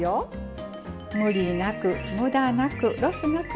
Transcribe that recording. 無理なくムダなくロスなく。